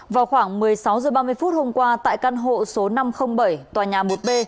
vào khoảng một mươi sáu h ba mươi hôm qua tại căn hộ số năm trăm linh bảy tòa nhà một b